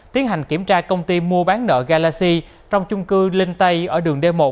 tiến hành kiểm tra công ty mua bán nợ galaxy trong chung cư linh tây ở đường d một